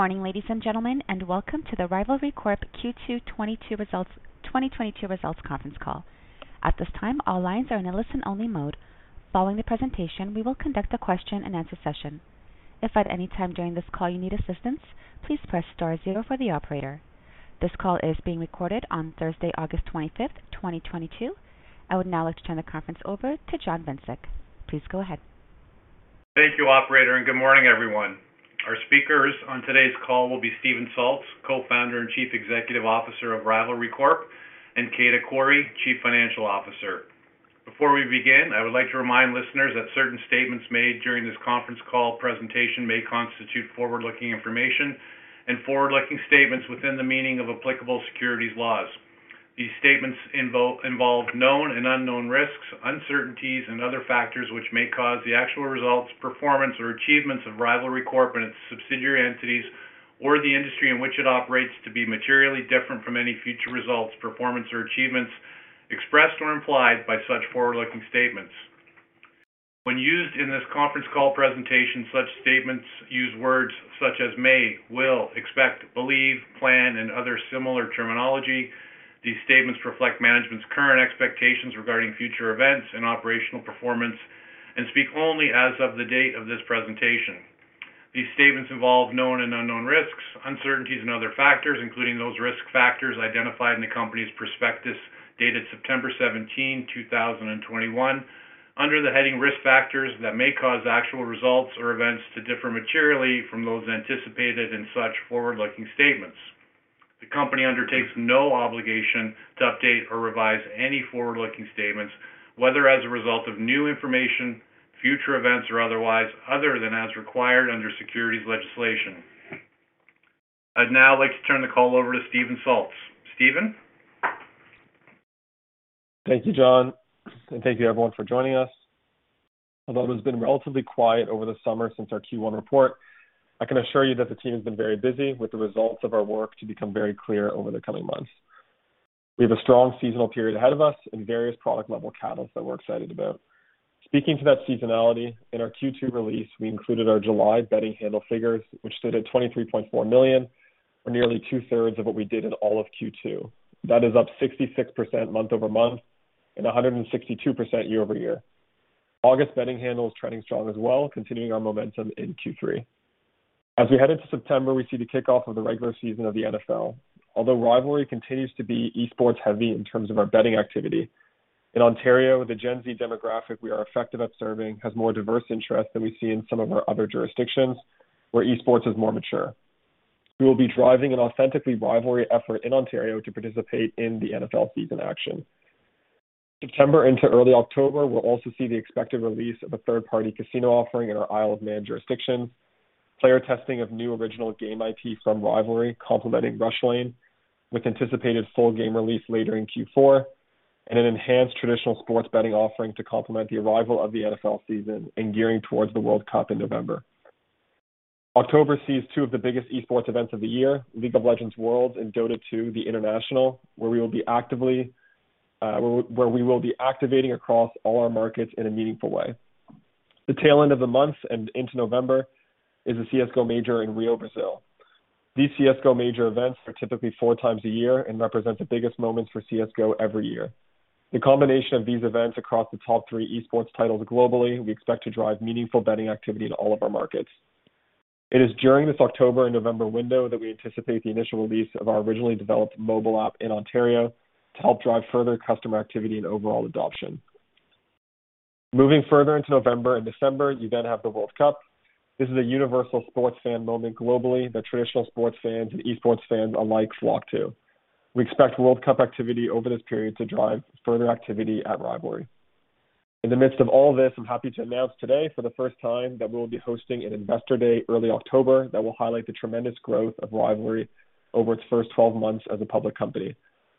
Good morning, ladies and gentlemen, and welcome to the Rivalry Corp. Q2 2022 results conference call. At this time, all lines are in a listen-only mode. Following the presentation, we will conduct a question-and-answer session. If at any time during this call you need assistance, please press star zero for the operator. This call is being recorded on Thursday, August 25, 2022. I would now like to turn the conference over to John Vincic. Please go ahead. Thank you operator, and good morning, everyone. Our speakers on today's call will be Steven Salz, Co-founder and Chief Executive Officer of Rivalry Corp., and Kejda Qorri, Chief Financial Officer. Before we begin, I would like to remind listeners that certain statements made during this conference call presentation may constitute forward-looking information and forward-looking statements within the meaning of applicable securities laws. These statements involve known and unknown risks, uncertainties and other factors which may cause the actual results, performance or achievements of Rivalry Corp. and its subsidiary entities or the industry in which it operates to be materially different from any future results, performance or achievements expressed or implied by such forward-looking statements. When used in this conference call presentation, such statements use words such as may, will, expect, believe, plan, and other similar terminology. These statements reflect management's current expectations regarding future events and operational performance and speak only as of the date of this presentation. These statements involve known and unknown risks, uncertainties and other factors, including those risk factors identified in the company's prospectus dated September 17, 2021, under the heading Risk Factors that may cause actual results or events to differ materially from those anticipated in such forward-looking statements. The company undertakes no obligation to update or revise any forward-looking statements, whether as a result of new information, future events, or otherwise, other than as required under securities legislation. I'd now like to turn the call over to Steven Salz. Steven? Thank you, John, and thank you everyone for joining us. Although it has been relatively quiet over the summer since our Q1 report, I can assure you that the team has been very busy with the results of our work to become very clear over the coming months. We have a strong seasonal period ahead of us and various product level catalysts that we're excited about. Speaking to that seasonality, in our Q2 release, we included our July betting handle figures, which stood at $23.4 million, or nearly two-thirds of what we did in all of Q2. That is up 66% month-over-month and 162% year-over-year. August betting handle is trending strong as well, continuing our momentum in Q3. As we head into September, we see the kickoff of the regular season of the NFL. Although Rivalry continues to be esports heavy in terms of our betting activity, in Ontario, the Gen Z demographic we are effective at serving has more diverse interest than we see in some of our other jurisdictions where esports is more mature. We will be driving an authentically Rivalry effort in Ontario to participate in the NFL season action. September into early October, we'll also see the expected release of a third-party casino offering in our Isle of Man jurisdictions, player testing of new original game IP from Rivalry complementing Rushlane with anticipated full game release later in Q4, and an enhanced traditional sports betting offering to complement the arrival of the NFL season and gearing towards the World Cup in November. October sees two of the biggest esports events of the year, League of Legends Worlds and Dota 2, The International, where we will be actively. where we will be activating across all our markets in a meaningful way. The tail end of the month and into November is the CS:GO Major in Rio, Brazil. These CS:GO major events are typically four times a year and represent the biggest moments for CS:GO every year. The combination of these events across the top three esports titles globally, we expect to drive meaningful betting activity to all of our markets. It is during this October and November window that we anticipate the initial release of our originally developed mobile app in Ontario to help drive further customer activity and overall adoption. Moving further into November and December, you then have the World Cup. This is a universal sports fan moment globally that traditional sports fans and esports fans alike flock to. We expect World Cup activity over this period to drive further activity at Rivalry. In the midst of all this, I'm happy to announce today for the first time that we will be hosting an investor day early October that will highlight the tremendous growth of Rivalry over its first 12 months as a public company.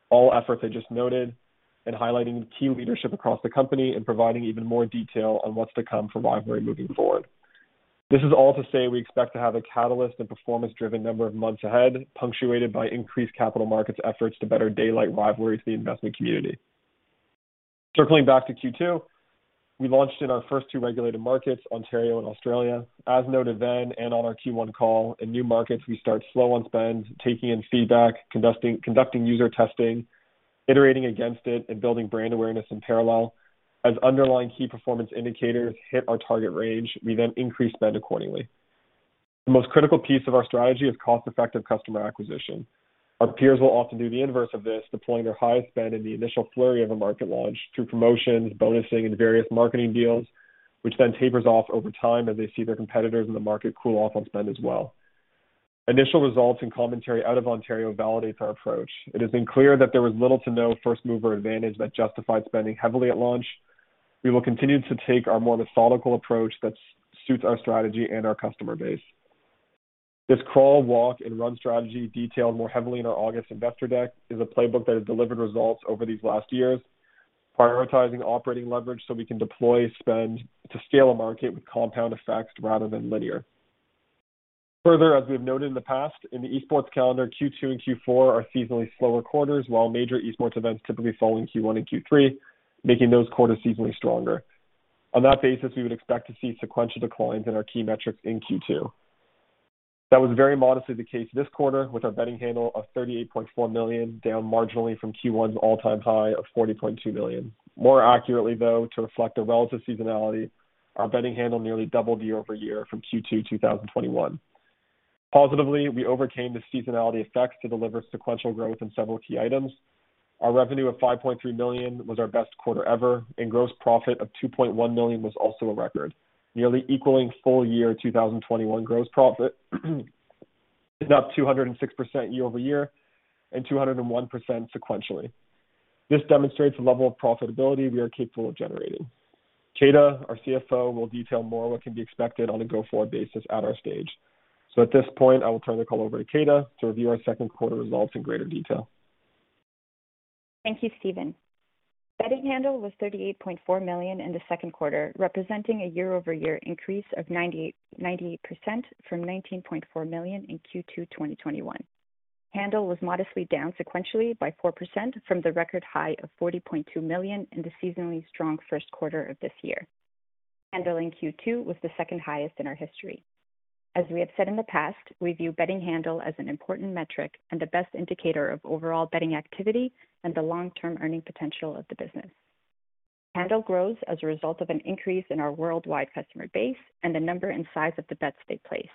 All efforts I just noted in highlighting the key leadership across the company and providing even more detail on what's to come from Rivalry moving forward. This is all to say we expect to have a catalyst and performance-driven number of months ahead, punctuated by increased capital markets efforts to better daylight Rivalry to the investment community. Circling back to Q2, we launched in our first two regulated markets, Ontario and Australia. As noted then and on our Q1 call, in new markets, we start slow on spend, taking in feedback, conducting user testing, iterating against it and building brand awareness in parallel. As underlying key performance indicators hit our target range, we then increase spend accordingly. The most critical piece of our strategy is cost-effective customer acquisition. Our peers will often do the inverse of this, deploying their highest spend in the initial flurry of a market launch through promotions, bonusing, and various marketing deals, which then tapers off over time as they see their competitors in the market cool off on spend as well. Initial results and commentary out of Ontario validates our approach. It has been clear that there was little to no first-mover advantage that justified spending heavily at launch. We will continue to take our more methodical approach that suits our strategy and our customer base. This crawl, walk and run strategy, detailed more heavily in our August investor deck, is a playbook that has delivered results over these last years, prioritizing operating leverage so we can deploy spend to scale a market with compound effects rather than linear. Further, as we have noted in the past, in the esports calendar, Q2 and Q4 are seasonally slower quarters, while major esports events typically fall in Q1 and Q3, making those quarters seasonally stronger. On that basis, we would expect to see sequential declines in our key metrics in Q2. That was very modestly the case this quarter, with our betting handle of $38.4 million down marginally from Q1's all-time high of $40.2 million. More accurately, though, to reflect the relative seasonality, our betting handle nearly doubled year-over-year from Q2 2021. Positively, we overcame the seasonality effects to deliver sequential growth in several key items. Our revenue of 5.3 million was our best quarter ever, and gross profit of 2.1 million was also a record, nearly equaling full year 2021 gross profit is up 206% year-over-year and 201% sequentially. This demonstrates the level of profitability we are capable of generating. Kejda, our CFO, will detail more what can be expected on a go-forward basis at our stage. At this point, I will turn the call over to Kejda to review our second quarter results in greater detail. Thank you, Steven. Betting handle was $38.4 million in the second quarter, representing a year-over-year increase of 98% from $19.4 million in Q2 2021. Handle was modestly down sequentially by 4% from the record high of $40.2 million in the seasonally strong first quarter of this year. Handle in Q2 was the second highest in our history. As we have said in the past, we view betting handle as an important metric and the best indicator of overall betting activity and the long-term earning potential of the business. Handle grows as a result of an increase in our worldwide customer base and the number and size of the bets they place.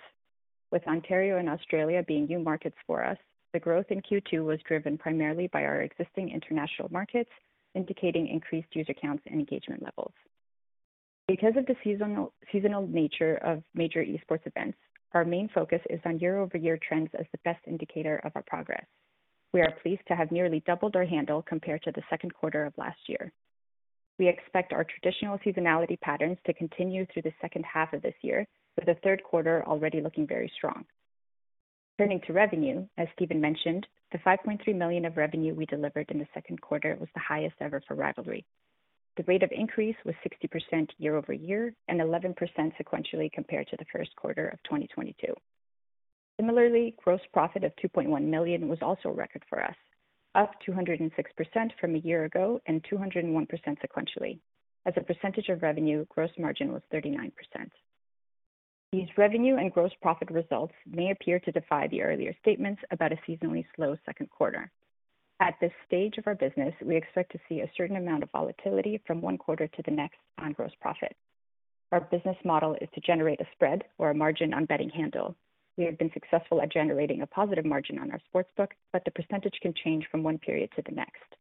With Ontario and Australia being new markets for us, the growth in Q2 was driven primarily by our existing international markets, indicating increased user counts and engagement levels. Because of the seasonal nature of major esports events, our main focus is on year-over-year trends as the best indicator of our progress. We are pleased to have nearly doubled our handle compared to the second quarter of last year. We expect our traditional seasonality patterns to continue through the second half of this year, with the third quarter already looking very strong. Turning to revenue, as Steven mentioned, the $5.3 million of revenue we delivered in the second quarter was the highest ever for Rivalry. The rate of increase was 60% year-over-year and 11% sequentially compared to the first quarter of 2022. Similarly, gross profit of $2.1 million was also a record for us, up 206% from a year ago and 201% sequentially. As a percentage of revenue, gross margin was 39%. These revenue and gross profit results may appear to defy the earlier statements about a seasonally slow second quarter. At this stage of our business, we expect to see a certain amount of volatility from one quarter to the next on gross profit. Our business model is to generate a spread or a margin on betting handle. We have been successful at generating a positive margin on our sportsbook, but the percentage can change from one period to the next.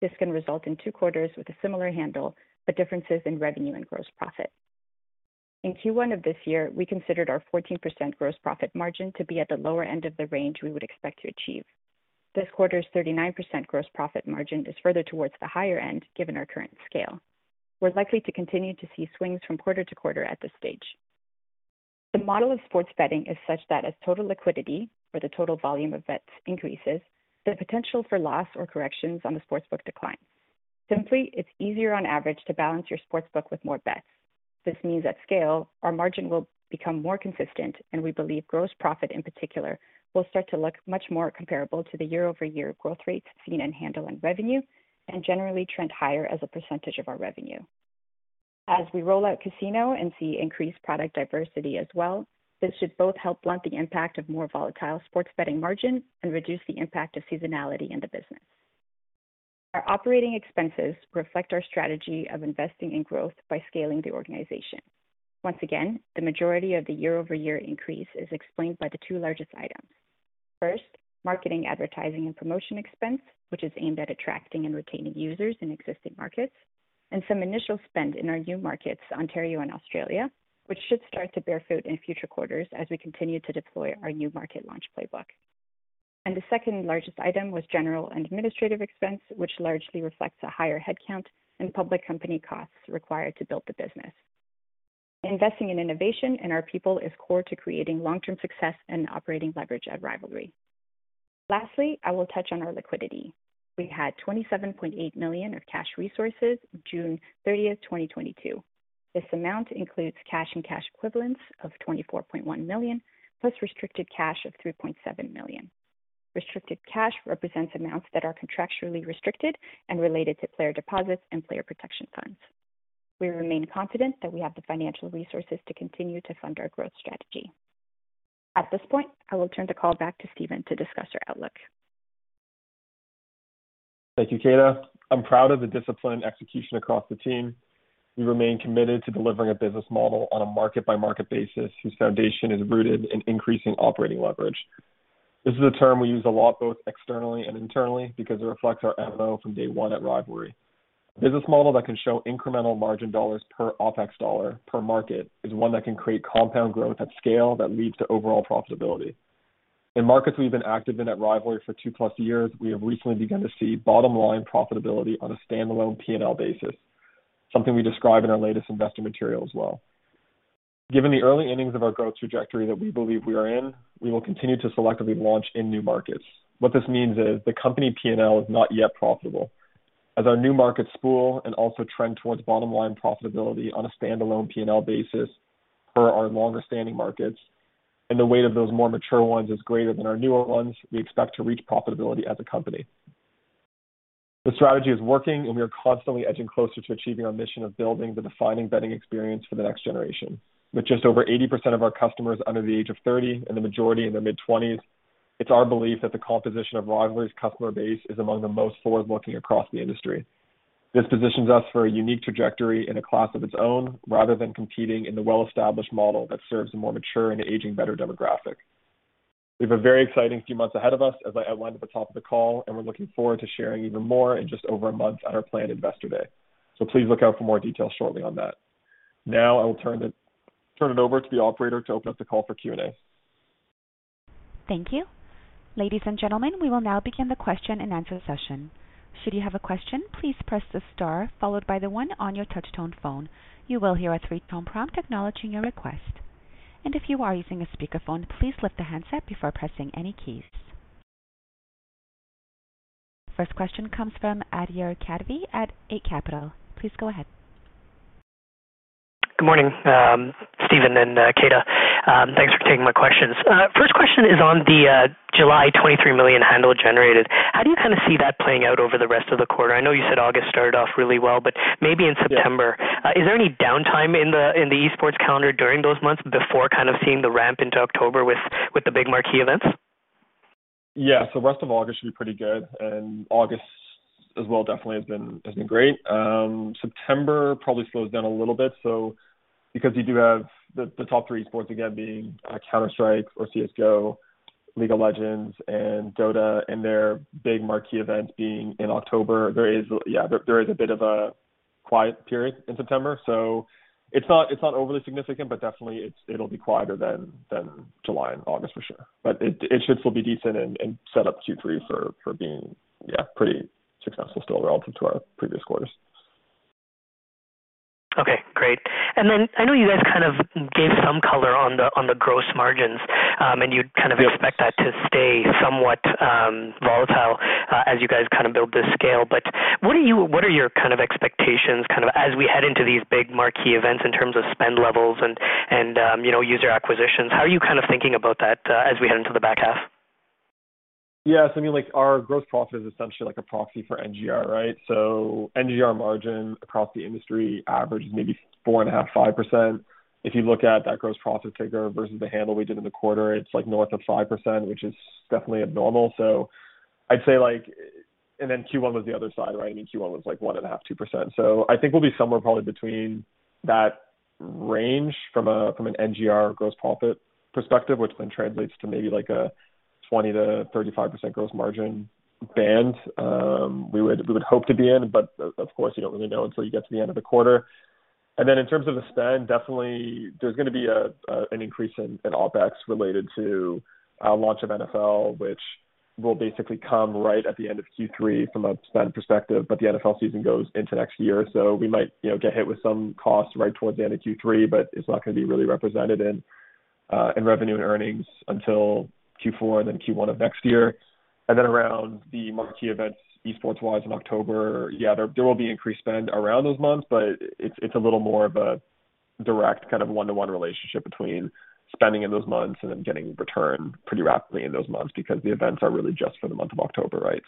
This can result in two quarters with a similar handle, but differences in revenue and gross profit. In Q1 of this year, we considered our 14% gross profit margin to be at the lower end of the range we would expect to achieve. This quarter's 39% gross profit margin is further towards the higher end, given our current scale. We're likely to continue to see swings from quarter to quarter at this stage. The model of sports betting is such that as total liquidity or the total volume of bets increases, the potential for loss or corrections on the sportsbook declines. Simply, it's easier on average to balance your sportsbook with more bets. This means at scale, our margin will become more consistent, and we believe gross profit in particular will start to look much more comparable to the year-over-year growth rates seen in handle and revenue, and generally trend higher as a percentage of our revenue. As we roll out casino and see increased product diversity as well, this should both help blunt the impact of more volatile sports betting margins and reduce the impact of seasonality in the business. Our operating expenses reflect our strategy of investing in growth by scaling the organization. Once again, the majority of the year-over-year increase is explained by the two largest items. First, marketing, advertising, and promotion expense, which is aimed at attracting and retaining users in existing markets. Some initial spend in our new markets, Ontario and Australia, which should start to bear fruit in future quarters as we continue to deploy our new market launch playbook. The second-largest item was general and administrative expense, which largely reflects a higher headcount and public company costs required to build the business. Investing in innovation in our people is core to creating long-term success and operating leverage at Rivalry. Lastly, I will touch on our liquidity. We had 27.8 million of cash resources June 30, 2022. This amount includes cash and cash equivalents of 24.1 million, plus restricted cash of 3.7 million. Restricted cash represents amounts that are contractually restricted and related to player deposits and player protection funds. We remain confident that we have the financial resources to continue to fund our growth strategy. At this point, I will turn the call back to Steven to discuss our outlook. Thank you, Kejda. I'm proud of the disciplined execution across the team. We remain committed to delivering a business model on a market-by-market basis, whose foundation is rooted in increasing operating leverage. This is a term we use a lot, both externally and internally, because it reflects our MO from day one at Rivalry. A business model that can show incremental margin dollars per OpEx dollar per market is one that can create compound growth at scale that leads to overall profitability. In markets we've been active in at Rivalry for 2+ years, we have recently begun to see bottom-line profitability on a standalone P&L basis, something we describe in our latest investor material as well. Given the early innings of our growth trajectory that we believe we are in, we will continue to selectively launch in new markets. What this means is the company P&L is not yet profitable. As our new markets spool and also trend towards bottom-line profitability on a standalone P&L basis per our longer-standing markets, and the weight of those more mature ones is greater than our newer ones, we expect to reach profitability as a company. The strategy is working, and we are constantly edging closer to achieving our mission of building the defining betting experience for the next generation. With just over 80% of our customers under the age of 30 and the majority in their mid-twenties, it's our belief that the composition of Rivalry's customer base is among the most forward-looking across the industry. This positions us for a unique trajectory in a class of its own, rather than competing in the well-established model that serves a more mature and aging better demographic. We have a very exciting few months ahead of us, as I outlined at the top of the call, and we're looking forward to sharing even more in just over a month at our planned Investor Day. Please look out for more details shortly on that. Now I will turn it over to the operator to open up the call for Q&A. Thank you. Ladies and gentlemen, we will now begin the question-and-answer session. Should you have a question, please press the star followed by the one on your touch tone phone. You will hear a three-tone prompt acknowledging your request. If you are using a speakerphone, please lift the handset before pressing any keys. First question comes from Adhir Kadve at Eight Capital. Please go ahead. Good morning, Steven and Kejda. Thanks for taking my questions. First question is on the July $23 million handle generated. How do you kinda see that playing out over the rest of the quarter? I know you said August started off really well, but maybe in September. Is there any downtime in the eSports calendar during those months before kind of seeing the ramp into October with the big marquee events? Rest of August should be pretty good, and August as well definitely has been great. September probably slows down a little bit, so because you do have the top three esports again being Counter-Strike or CS:GO, League of Legends and Dota and their big marquee event being in October, there is a bit of a quiet period in September. It's not overly significant, but definitely it'll be quieter than July and August for sure. It should still be decent and set up Q3 for being pretty successful still relative to our previous quarters. Okay, great. I know you guys kind of gave some color on the gross margins, and you'd kind of expect that to stay somewhat volatile as you guys kind of build this scale. What are your kind of expectations as we head into these big marquee events in terms of spend levels and you know, user acquisitions? How are you kind of thinking about that, as we head into the back half? Yeah. I mean, like, our gross profit is essentially like a proxy for NGR, right? NGR margin across the industry averages maybe 4.5%. If you look at that gross profit figure versus the handle we did in the quarter, it's like north of 5%, which is definitely abnormal. I'd say like, Q1 was the other side, right? I mean, Q1 was like 1.5, 2%. I think we'll be somewhere probably between that range from an NGR gross profit perspective, which then translates to maybe like a 20%-35% gross margin band, we would hope to be in, but of course you don't really know until you get to the end of the quarter. In terms of the spend, definitely there's gonna be an increase in OpEx related to launch of NFL, which will basically come right at the end of Q3 from a spend perspective, but the NFL season goes into next year. We might, you know, get hit with some costs right towards the end of Q3, but it's not gonna be really represented in revenue and earnings until Q4 and then Q1 of next year. Around the marquee events esports-wise in October, yeah, there will be increased spend around those months, but it's a little more of a direct kind of one-to-one relationship between spending in those months and then getting return pretty rapidly in those months because the events are really just for the month of October, right?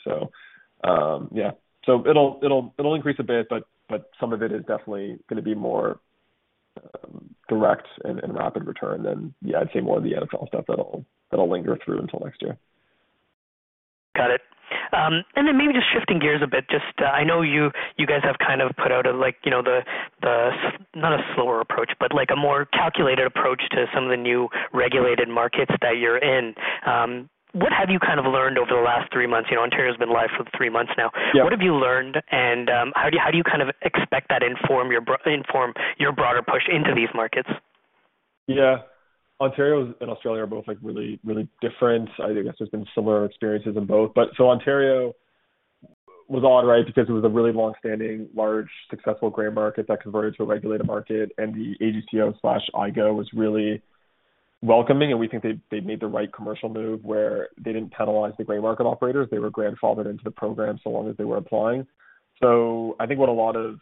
Yeah. It'll increase a bit, but some of it is definitely gonna be more direct and rapid return than yeah, I'd say more of the NFL stuff that'll linger through until next year. Got it. Maybe just shifting gears a bit, just, I know you guys have kind of put out a, like, you know, not a slower approach, but like a more calculated approach to some of the new regulated markets that you're in. What have you kind of learned over the last three months? You know, Ontario's been live for three months now. Yeah. What have you learned and, how do you kind of expect that inform your broader push into these markets? Yeah. Ontario and Australia are both, like, really, really different. I guess there's been similar experiences in both. Ontario was on, right? Because it was a really long-standing, large, successful gray market that converted to a regulated market, and the AGCO/iGO was really welcoming, and we think they made the right commercial move where they didn't penalize the gray market operators. They were grandfathered into the program so long as they were applying. I think what a lot of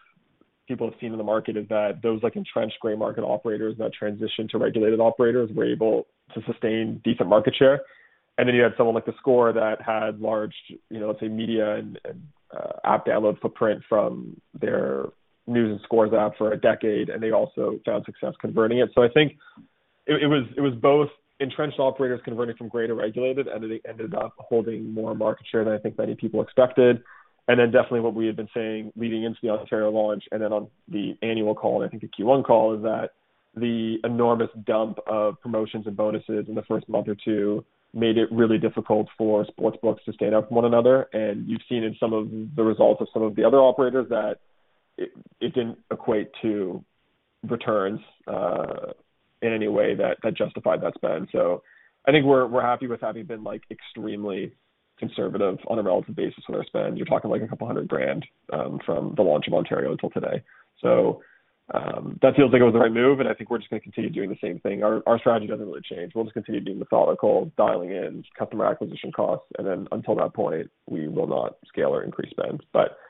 people have seen in the market is that those, like, entrenched gray market operators that transitioned to regulated operators were able to sustain decent market share. Then you had someone like theScore that had large, you know, let's say, media and app download footprint from their news and scores app for a decade, and they also found success converting it. I think it was both entrenched operators converting from gray to regulated, and they ended up holding more market share than I think many people expected. Then definitely what we had been saying leading into the Ontario launch and then on the annual call and I think the Q1 call is that the enormous dump of promotions and bonuses in the first month or two made it really difficult for sportsbooks to stand out from one another. You've seen in some of the results of some of the other operators that it didn't equate to returns in any way that justified that spend. I think we're happy with having been like extremely conservative on a relative basis with our spend. You're talking like 200,000 from the launch of Ontario until today. That feels like it was the right move, and I think we're just gonna continue doing the same thing. Our strategy doesn't really change. We'll just continue being methodical, dialing in customer acquisition costs, and then until that point, we will not scale or increase spend.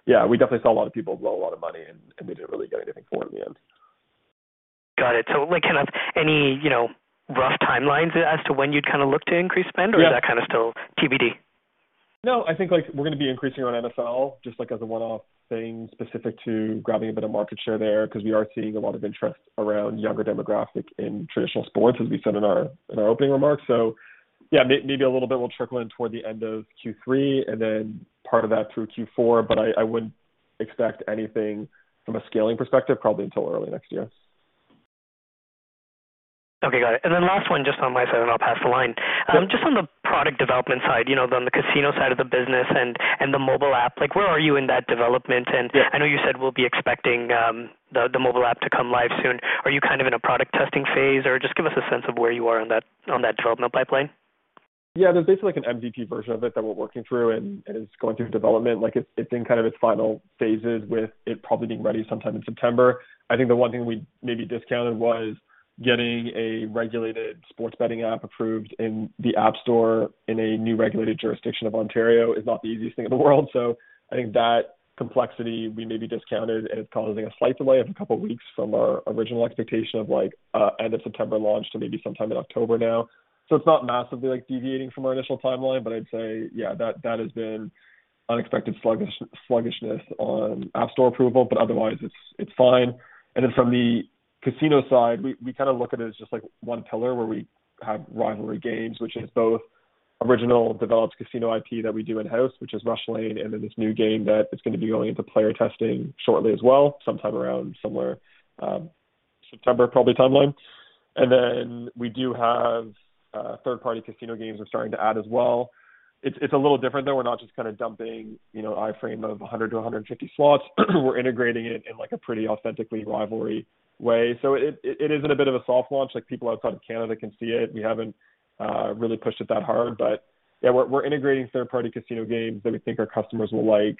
Yeah, we definitely saw a lot of people blow a lot of money and they didn't really get anything for it in the end. Like kind of any, you know, rough timelines as to when you'd kind of look to increase spend or is that kind of still TBD? No, I think like we're gonna be increasing on NFL just like as a one-off thing specific to grabbing a bit of market share there 'cause we are seeing a lot of interest around younger demographic in traditional sports, as we said in our opening remarks. Yeah, maybe a little bit will trickle in toward the end of Q3 and then part of that through Q4. I wouldn't expect anything from a scaling perspective probably until early next year. Okay, got it. Last one just on my side, and I'll pass the line. Yep. Just on the product development side, you know, on the casino side of the business and the mobile app, like where are you in that development? Yeah. I know you said we'll be expecting the mobile app to come live soon. Are you kind of in a product testing phase? Or just give us a sense of where you are on that development pipeline. Yeah. There's basically like an MVP version of it that we're working through and it's going through development. Like it's in kind of its final phases with it probably being ready sometime in September. I think the one thing we maybe discounted was getting a regulated sports betting app approved in the App Store in a new regulated jurisdiction of Ontario is not the easiest thing in the world. I think that complexity we maybe discounted, and it's causing a slight delay of a couple weeks from our original expectation of like end of September launch to maybe sometime in October now. It's not massively like deviating from our initial timeline, but I'd say yeah, that has been unexpected sluggishness on App Store approval, but otherwise it's fine. From the casino side, we kind of look at it as just like one pillar where we have Rivalry Games, which is both original developed casino IP that we do in-house, which is Rushlane, and then this new game that it's gonna be going into player testing shortly as well, sometime around somewhere September probably timeline. We do have third party casino games we're starting to add as well. It's a little different though. We're not just kinda dumping, you know, iframe of 100-150 slots. We're integrating it in like a pretty authentically Rivalry way. It is in a bit of a soft launch, like people outside of Canada can see it. We haven't really pushed it that hard. We're integrating third-party casino games that we think our customers will like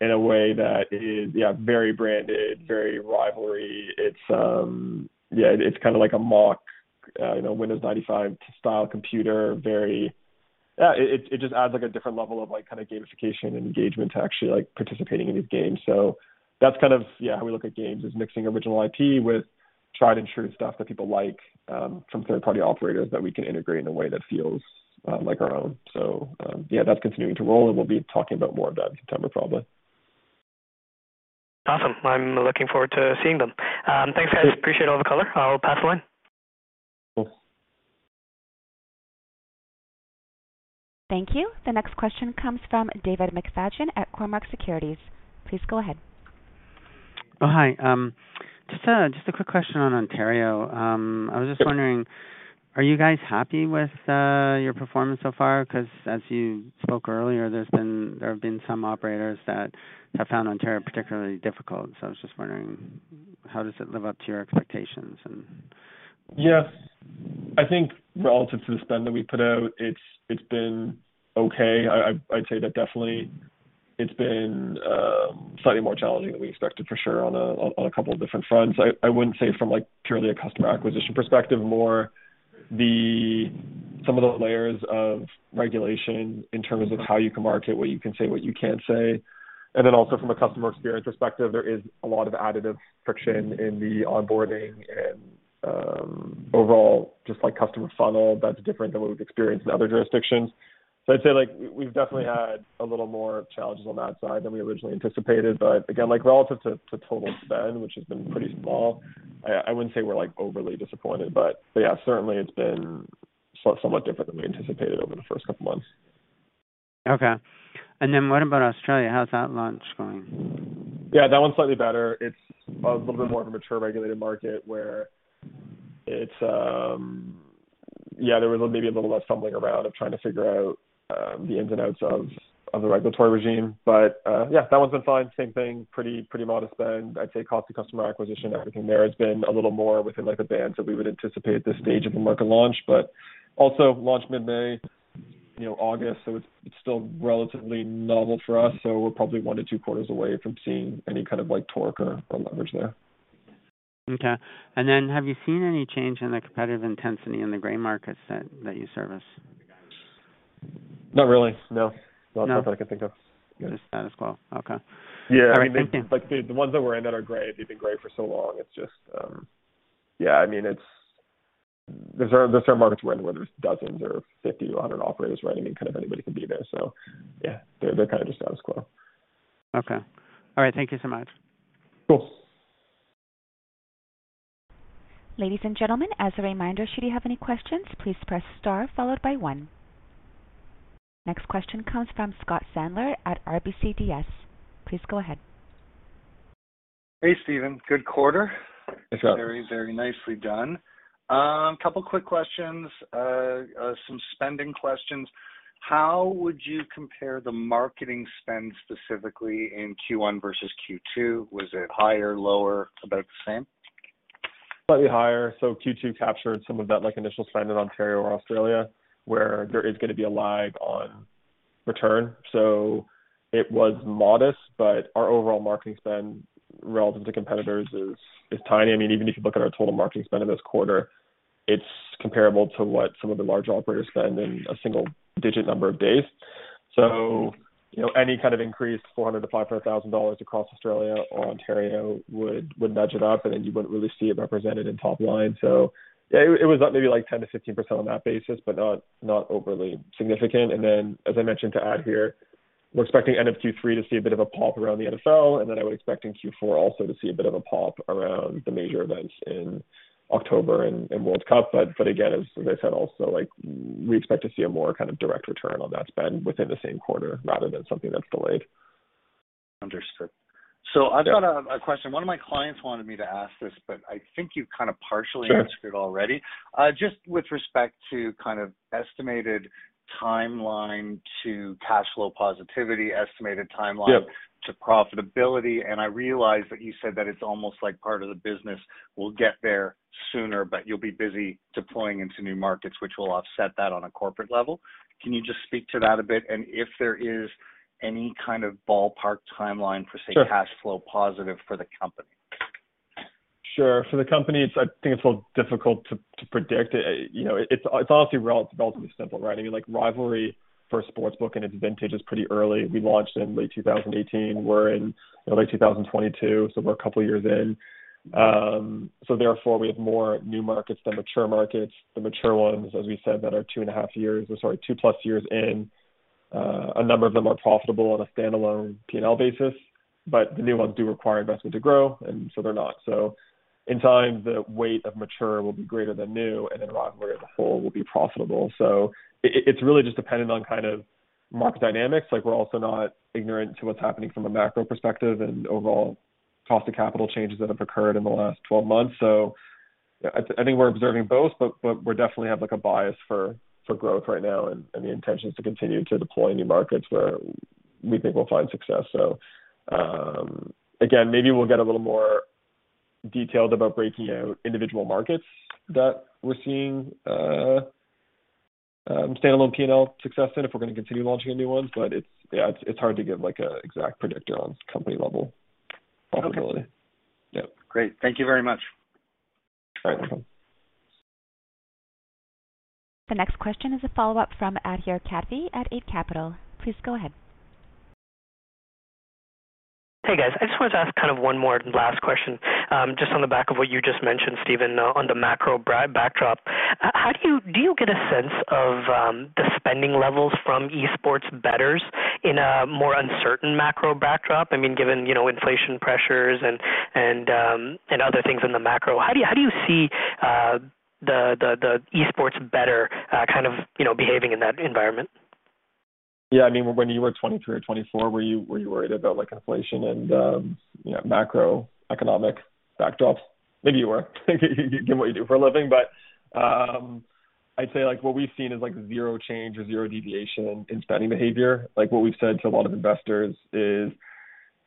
in a way that is very branded, very Rivalry. It's kinda like a mock Windows 95 style computer. It just adds a different level of kinda gamification and engagement to actually participating in these games. That's kind of how we look at games is mixing original IP with tried and true stuff that people like from third-party operators that we can integrate in a way that feels like our own. That's continuing to roll and we'll be talking about more of that in September probably. Awesome. I'm looking forward to seeing them. Thanks guys. Appreciate all the color. I'll pass the line. Cool. Thank you. The next question comes from David McFadgen at Cormark Securities. Please go ahead. Oh, hi. Just a quick question on Ontario. I was just wondering, are you guys happy with your performance so far? 'Cause as you spoke earlier, there have been some operators that have found Ontario particularly difficult. I was just wondering how does it live up to your expectations. Yes. I think relative to the spend that we put out, it's been okay. I'd say that definitely it's been slightly more challenging than we expected for sure on a couple of different fronts. I wouldn't say from like purely a customer acquisition perspective, more the some of the layers of regulation in terms of how you can market, what you can say, what you can't say. Then also from a customer experience perspective, there is a lot of additive friction in the onboarding and overall just like customer funnel that's different than what we've experienced in other jurisdictions. I'd say like we've definitely had a little more challenges on that side than we originally anticipated. Again, like relative to total spend, which has been pretty small, I wouldn't say we're like overly disappointed, but yeah, certainly it's been somewhat different than we anticipated over the first couple months. Okay. What about Australia? How's that launch going? Yeah, that one's slightly better. It's a little bit more of a mature regulated market where it's Yeah, there was maybe a little less fumbling around of trying to figure out the ins and outs of the regulatory regime. Yeah, that one's been fine. Same thing. Pretty modest spend. I'd say cost to customer acquisition I think in there has been a little more within like the band that we would anticipate at this stage of a market launch, but also launched mid-May, you know, August, so it's still relatively novel for us. We're probably one to two quarters away from seeing any kind of like torque or leverage there. Okay. Have you seen any change in the competitive intensity in the gray markets that you service? Not really, no. No? Not that I can think of. Just status quo. Okay. Yeah. All right. Thank you. I mean, like the ones that we're in that are gray, they've been gray for so long. It's just. Yeah, I mean, it's. Those are markets we're in where there's dozens or 50 to 100 operators, right? I mean, kind of anybody can be there. Yeah. They're kind of just status quo. Okay. All right. Thank you so much. Cool. Ladies and gentlemen, as a reminder, should you have any questions, please press star followed by one. Next question comes from Scott Sandler at RBCDS. Please go ahead. Hey, Steven. Good quarter. Thanks, Scott. Very, very nicely done. Couple quick questions. Some spending questions. How would you compare the marketing spend specifically in Q1 versus Q2? Was it higher, lower, about the same? Slightly higher. Q2 captured some of that like initial spend in Ontario or Australia, where there is gonna be a lag on return. It was modest, but our overall marketing spend relative to competitors is tiny. I mean, even if you look at our total marketing spend in this quarter. It's comparable to what some of the larger operators spend in a single digit number of days. You know, any kind of increase, 400,000-500,000 dollars across Australia or Ontario would nudge it up, and then you wouldn't really see it represented in top line. It was maybe like 10%-15% on that basis, but not overly significant. As I mentioned to Adhir, we're expecting end of Q3 to see a bit of a pop around the NFL, and then I would expect in Q4 also to see a bit of a pop around the major events in October and World Cup. Again, as I said also, like we expect to see a more kind of direct return on that spend within the same quarter rather than something that's delayed. Understood. I've got a question. One of my clients wanted me to ask this, but I think you kind of partially answered it already. Just with respect to kind of estimated timeline to cash flow positivity. Yeah. to profitability. I realize that you said that it's almost like part of the business will get there sooner, but you'll be busy deploying into new markets, which will offset that on a corporate level. Can you just speak to that a bit? If there is any kind of ballpark timeline for, say, cash flow positive for the company? Sure. For the company, it's a little difficult to predict. You know, it's honestly relatively simple, right? I mean, like Rivalry for sportsbook in its vintage is pretty early. We launched in late 2018, we're in late 2022, so we're a couple of years in. Therefore we have more new markets than mature markets. The mature ones, as we said, that are 2+ years in, a number of them are profitable on a standalone P&L basis, but the new ones do require investment to grow, and so they're not. In time, the weight of mature will be greater than new, and then Rivalry as a whole will be profitable. It's really just dependent on kind of market dynamics. Like, we're also not ignorant to what's happening from a macro perspective and overall cost of capital changes that have occurred in the last 12 months. I think we're observing both, but we definitely have like a bias for growth right now and the intention is to continue to deploy new markets where we think we'll find success. Again, maybe we'll get a little more detailed about breaking out individual markets that we're seeing standalone P&L success in if we're gonna continue launching a new one. It's yeah, it's hard to give like an exact predictor on company level profitability. Okay. Yeah. Great. Thank you very much. All right. Welcome. The next question is a follow-up from Adhir Kadve at Eight Capital. Please go ahead. Hey, guys. I just wanted to ask kind of one more last question, just on the back of what you just mentioned, Steven, on the macro backdrop. How do you get a sense of the spending levels from esports bettors in a more uncertain macro backdrop? I mean, given, you know, inflation pressures and other things in the macro, how do you see the esports bettor kind of, you know, behaving in that environment? Yeah, I mean, when you were 23 or 24, were you worried about like inflation and, you know, macroeconomic backdrops? Maybe you were given what you do for a living. I'd say like what we've seen is like zero change or zero deviation in spending behavior. Like what we've said to a lot of investors is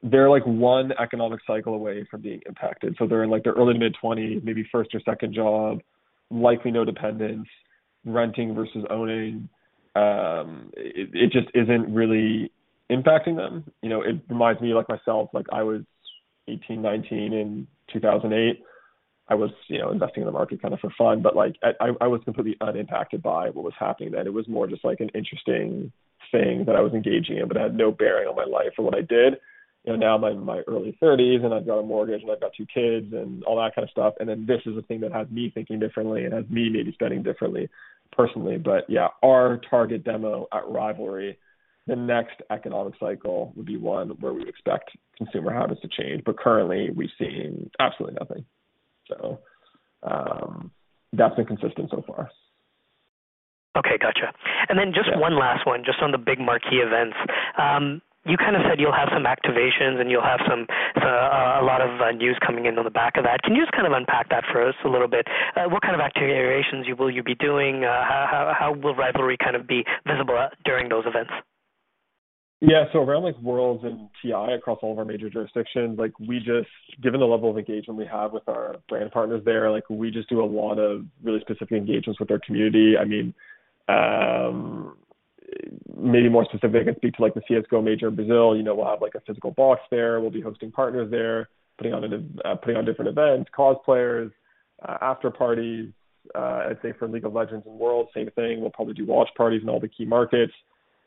they're like one economic cycle away from being impacted. They're in like their early to mid-20s, maybe first or second job, likely no dependents, renting versus owning. It just isn't really impacting them. You know, it reminds me like myself, like I was 18, 19 in 2008. I was, you know, investing in the market kind of for fun, but like I was completely unimpacted by what was happening then. It was more just like an interesting thing that I was engaging in, but it had no bearing on my life or what I did. You know, now I'm in my early thirties and I've got a mortgage and I've got two kids and all that kind of stuff, and then this is a thing that has me thinking differently and has me maybe spending differently personally. Yeah, our target demo at Rivalry, the next economic cycle would be one where we expect consumer habits to change. Currently we've seen absolutely nothing. That's been consistent so far. Okay, gotcha. Yeah. Just one last one, just on the big marquee events. You kind of said you'll have some activations and a lot of news coming in on the back of that. Can you just kind of unpack that for us a little bit? What kind of activations will you be doing? How will Rivalry kind of be visible during those events? Yeah. Around like Worlds and TI across all of our major jurisdictions, like given the level of engagement we have with our brand partners there, like we just do a lot of really specific engagements with our community. I mean, maybe more specific and speak to like the CS:GO Major in Brazil. You know, we'll have like a physical box there. We'll be hosting partners there, putting on different events, cosplayers, after parties. I'd say for League of Legends and Worlds, same thing. We'll probably do watch parties in all the key markets.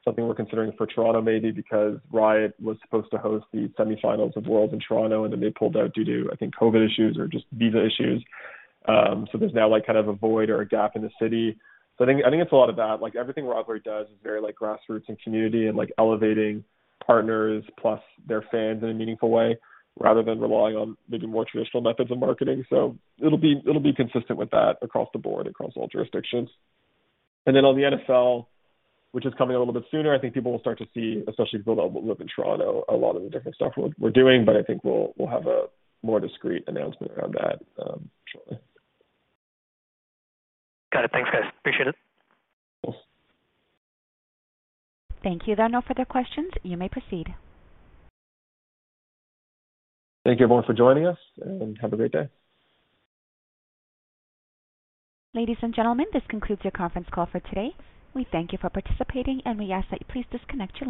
Something we're considering for Toronto maybe because Riot was supposed to host the semifinals of Worlds in Toronto and then they pulled out due to, I think, COVID issues or just visa issues. There's now like kind of a void or a gap in the city. I think it's a lot of that. Like, everything Rivalry does is very like grassroots and community and like elevating partners plus their fans in a meaningful way rather than relying on maybe more traditional methods of marketing. It'll be consistent with that across the board, across all jurisdictions. Then on the NFL, which is coming a little bit sooner, I think people will start to see, especially people that live in Toronto, a lot of the different stuff we're doing. I think we'll have a more discreet announcement around that shortly. Got it. Thanks, guys. Appreciate it. Of course. Thank you. There are no further questions. You may proceed. Thank you everyone for joining us, and have a great day. Ladies and gentlemen, this concludes your conference call for today. We thank you for participating, and we ask that you please disconnect your lines.